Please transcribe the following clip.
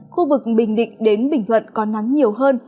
khu vực bình định đến bình thuận có nắng nhiều hơn